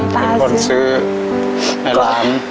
ผมเป็นคนซื้อในร้าน